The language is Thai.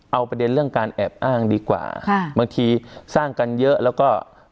เอาประเด็นเรื่องการแอบอ้างดีกว่าค่ะบางทีสร้างกันเยอะแล้วก็